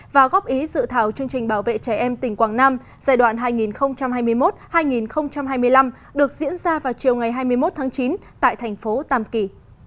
và góp ý dự thảo chương trình bảo vệ trẻ em tỉnh quảng nam giai đoạn hai nghìn hai mươi một hai nghìn hai mươi năm được diễn ra vào chiều ngày hai mươi một tháng chín tại thành phố tàm kỳ